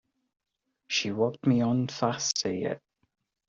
She walked me on faster yet.